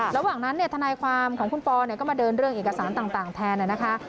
ระหว่างนั้นทนายความของคุณปอก็มาเดินเรื่องเอกสารต่างแทนนะคะ